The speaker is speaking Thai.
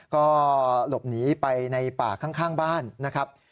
ก็หลบหนีไปในป่าข้างบ้านนะครับ